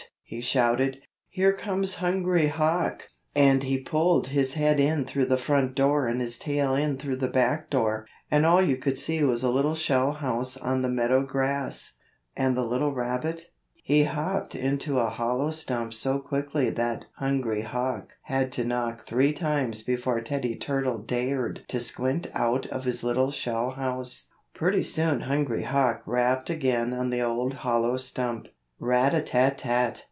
he shouted, "here comes Hungry Hawk!" And he pulled his head in through the front door and his tail in through the back door, and all you could see was a little shell house on the meadow grass. [Illustration: Little Jack Rabbit Meets Teddie Turtle. Little Jack Rabbit and Danny Fox. Page 48] And the little rabbit? He hopped into a hollow stump so quickly that Hungry Hawk had to knock three times before Teddy Turtle dared to squint out of his little shell house. Pretty soon Hungry Hawk rapped again on the old hollow stump. Rat a tat tat!